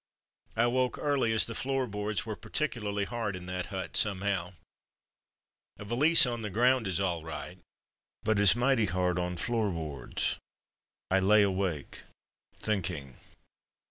The Old Guard 79 I awoke early, as the floor boards were particularly hard in that hut, somehow. A valise on the ground is all right, but is mighty hard on floor boards. I lay awake, thinking.